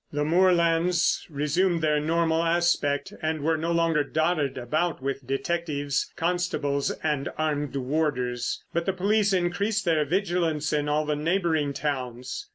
The moorlands resumed their normal aspect and were no longer dotted about with detectives, constables and armed warders. But the police increased their vigilance in all the neighbouring towns.